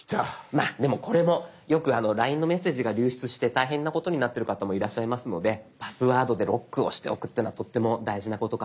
まあでもこれもよくＬＩＮＥのメッセージが流出して大変なことになってる方もいらっしゃいますのでパスワードでロックをしておくというのはとっても大事なことかと思います。